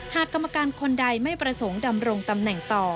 กรรมการคนใดไม่ประสงค์ดำรงตำแหน่งต่อ